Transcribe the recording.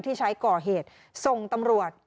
ที่ใช้ก่อเหตุส่งตำรวจ